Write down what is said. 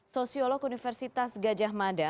sosiolog universitas gajah mada